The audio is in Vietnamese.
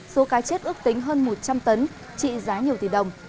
số cá chết ước tính hơn một trăm linh tấn trị giá nhiều tỷ đồng